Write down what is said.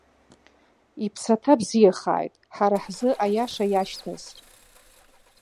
Иԥсаҭа бзиахааит, ҳара ҳзы аиаша иашьҭаз!